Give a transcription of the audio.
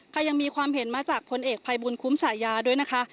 ยังมีความเห็นมาจากพลเอกภัยบุญคุ้มฉายาด้วยนะคะ